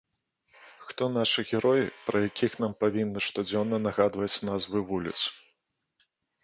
Хто нашы героі, пра якіх нам павінны штодзённа нагадваць назвы вуліц?